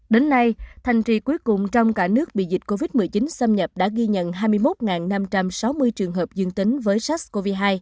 đến nay thành trì cuối cùng trong cả nước bị dịch covid một mươi chín xâm nhập đã ghi nhận hai mươi một năm trăm sáu mươi trường hợp dương tính với sars cov hai